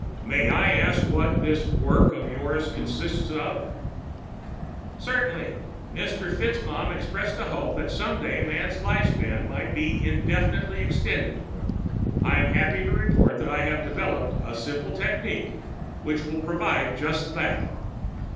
"May I ask what this 'work' of yours consists of?" "Certainly. Mr. FitzMaugham expressed a hope that someday man's life span might be infinitely extended. I'm happy to report that I have developed a simple technique which will provide just that."